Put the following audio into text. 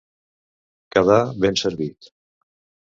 Quedar ben servit.